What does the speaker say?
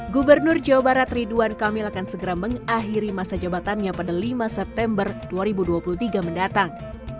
gubernur jawa barat ridwan kamil akan segera mengakhiri masa jabatannya pada lima september dua ribu dua puluh tiga mendatang